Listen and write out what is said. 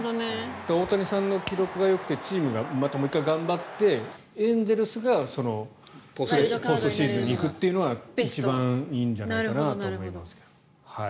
大谷さんの記録がよくてチームがまたもう一回頑張ってエンゼルスがポストシーズンに行くというのが一番いいんじゃないかなと思います。